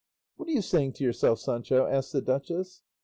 "What are you saying to yourself, Sancho?" asked the duchess.